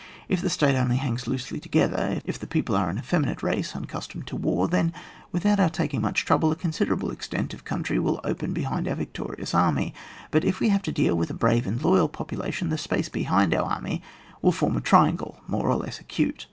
If the State only hangs loosely together, if its people are an effeminate race unaccustomed to war, then, without our taking much trouble, a considerable extent of country will open behind our victorious army; but if we have to deal with a brave and loyal population, the space behind our army will form a triangle, more or less acute.